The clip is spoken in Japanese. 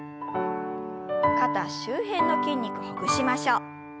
肩周辺の筋肉ほぐしましょう。